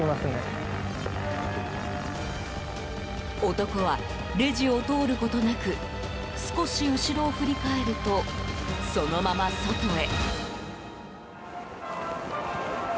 男は、レジを通ることなく少し後ろを振り返るとそのまま外へ。